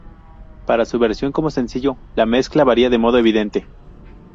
Para su versión como sencillo, la mezcla varía de modo evidente.